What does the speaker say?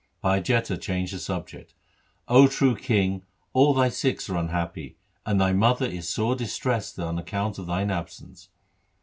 Bhai Jetha changed the subject, ' O true king, all thy Sikhs are unhappy, and thy mother is sore distressed on account of thine absence.